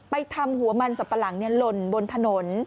ไปทำหัวมันสับปะหลังหล่นบนถนน